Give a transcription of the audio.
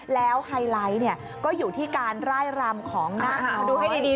แล้วไฮไลท์เนี่ยก็อยู่ที่การไล่รำของนากน้อย